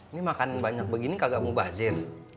ini makan banyak begini kagak mau bazir